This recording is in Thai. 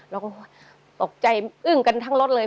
แล้วก็ตกใจอึ้งกันทั้งรถเลย